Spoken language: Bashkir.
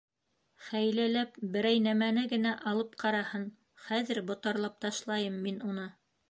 — Хәйләләп берәй нәмәне генә алып ҡараһын, хәҙер ботарлап ташлайым мин уны.